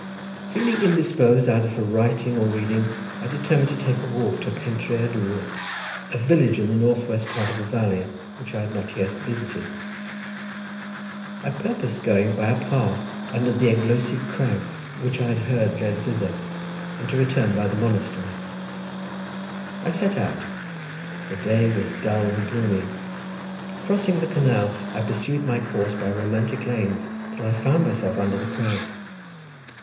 Feeling indisposed either for writing or reading, I determined to take a walk to Pentré y Dwr, a village in the north west part of the valley, which I had not yet visited. I purposed going by a path under the Eglwysig crags, which I had heard led thither, and to return by the monastery. I set out. The day was dull and gloomy. Crossing the canal, I pursued my course by romantic lanes, till I found myself under the crags.